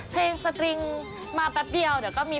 สตริงมาแป๊บเดียวเดี๋ยวก็มี